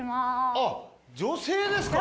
あっ女性ですか。